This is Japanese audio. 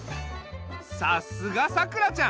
さすがさくらちゃん。